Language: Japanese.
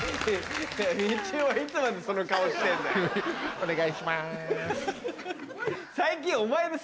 お願いします。